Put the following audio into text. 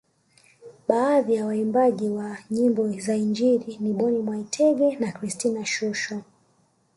Baadhi ya waimbaji wa nyimbo za injili ni Boni Mwaitege na Christina Shusho